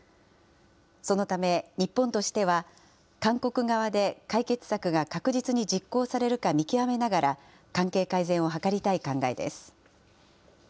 そのため、日本としては韓国側で解決策が確実に実行されるか見極めながら、関係改善を図りたい考えです。